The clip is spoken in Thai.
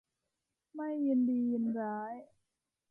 ไม่ยินดียินร้าย